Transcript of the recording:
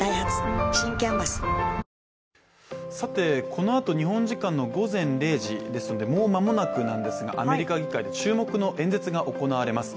このあと日本時間の午前０時、ですのでもう間もなくなんですがアメリカ議会で注目の演説が行われます。